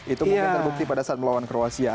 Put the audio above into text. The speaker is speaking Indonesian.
itu mungkin terbukti pada saat melawan kroasia